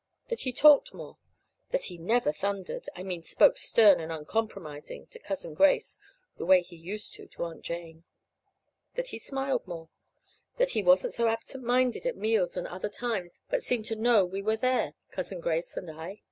That he talked more. That he never thundered I mean spoke stern and uncompromising to Cousin Grace the way he used to to Aunt Jane. That he smiled more. That he wasn't so absent minded at meals and other times, but seemed to know we were there Cousin Grace and I.